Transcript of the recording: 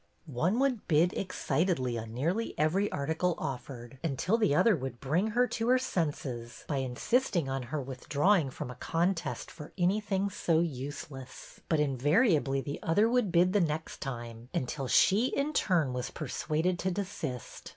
One would bid excitedly on nearly every article offered, until the other would bring her to her senses by insisting on her withdrawing 142 BETTY BAIRD'S VENTURES from a contest for anything so useless. But in variably the other would bid the next time, until she in turn was persuaded to desist.